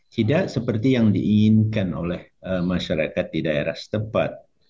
tidak seperti yang diinginkan oleh masyarakat di daerah setempat